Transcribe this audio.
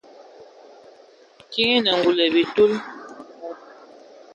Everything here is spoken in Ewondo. Kiŋ enə ngul ai bitil.